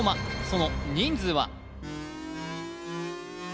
その人数は？